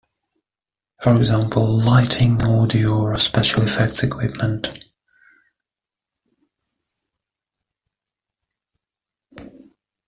For example, lighting, audio or special effects equipment.